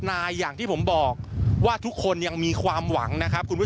นายอย่างที่ผมบอกว่าทุกคนยังมีความหวังนะครับคุณผู้ชม